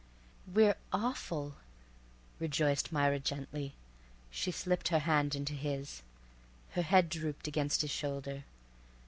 "We're awful," rejoiced Myra gently. She slipped her hand into his, her head drooped against his shoulder.